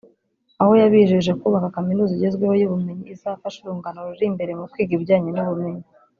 aho yabijeje kubaka kaminuza igezweho y’ubumenyi izafasha urungano ruri imbere mu kwiga ibijyanye n’ubumenyi